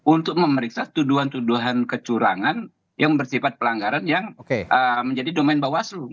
untuk memeriksa tuduhan tuduhan kecurangan yang bersifat pelanggaran yang menjadi domen bawaslu